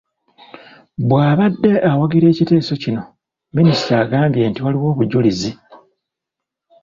Bw’abadde awagira ekiteeso kino, Minisita agambye nti waliwo obujulizi.